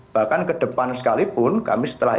bahkan kedepan sekalipun kami setelah